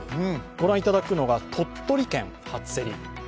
ご覧いただくのが鳥取県初競り。